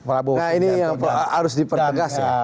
nah ini harus dipertegas